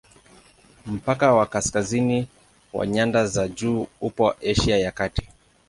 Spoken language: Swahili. Mpaka wa kaskazini wa nyanda za juu upo Asia ya Kati.